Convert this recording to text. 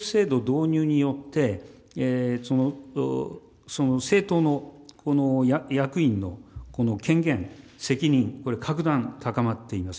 小選挙区制度導入によって、政党の役員の権限、責任、これ、格段高まっています。